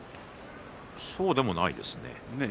そうでもないですね。